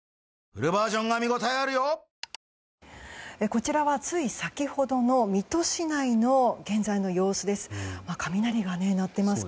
こちらはつい先ほどの水戸市内の現在の様子です。